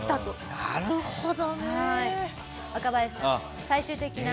なるほど！